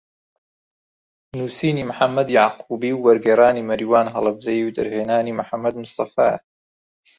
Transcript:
نووسینی محەممەد یەعقوبی و وەرگێڕانی مەریوان هەڵەبجەیی و دەرهێنانی محەممەد مستەفایە